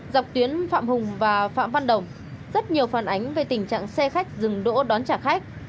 dọc tuyến phạm hùng và phạm văn đồng rất nhiều phản ánh về tình trạng xe khách dừng đỗ đón trả khách